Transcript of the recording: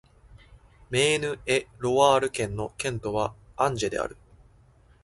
メーヌ＝エ＝ロワール県の県都はアンジェである